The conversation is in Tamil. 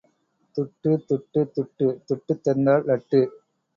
துட்டு, துட்டு, துட்டு துட்டுத் தந்தால் லட்டு!